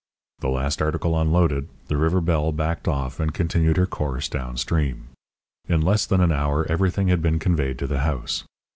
The last article unloaded, the River Belle backed off and continued her course down stream. In less than an hour everything had been conveyed to the house.